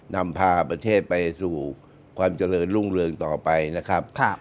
นำพาประเทศไปสู่ความเจริญรุ่งเรืองต่อไปนะครับ